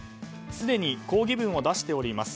すでに抗議文を出しております。